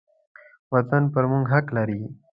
وطن پر موږ حق لري.